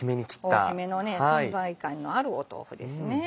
大きめの存在感のある豆腐です。